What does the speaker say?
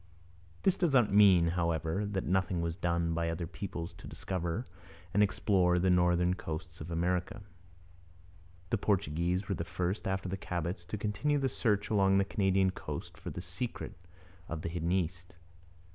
This does not mean, however, that nothing was done by other peoples to discover and explore the northern coasts of America. The Portuguese were the first after the Cabots to continue the search along the Canadian coast for the secret of the hidden East.